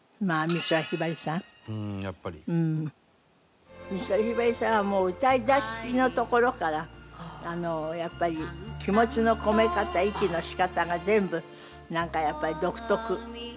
美空ひばりさんはもう歌い出しのところからあのやっぱり気持ちの込め方息の仕方が全部なんかやっぱり独特。